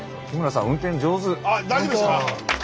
あっ大丈夫でしたか？